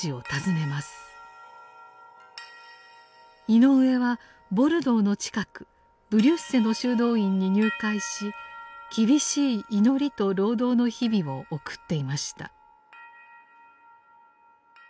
井上はボルドーの近くブリュッセの修道院に入会し厳しい祈りと労働の日々を送っていました。